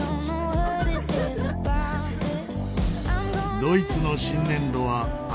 ドイツの新年度は秋。